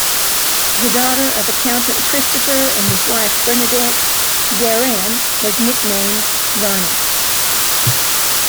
The daughter of accountant Christopher and his wife Bernadette, Guerin was nicknamed Ronnie.